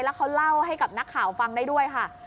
แล้วเขาเล่าให้กับนักข่าวฟังได้ด้วยค่ะ